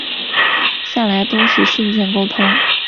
向来都是信件沟通